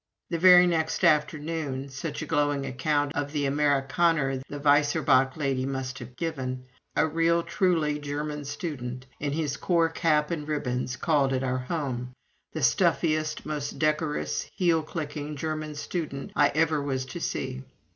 The very next afternoon, such a glowing account of the Amerikaner the Weiser Boch lady must have given, a real truly German student, in his corps cap and ribbons, called at our home the stiffest, most decorous heel clicking German student I ever was to see.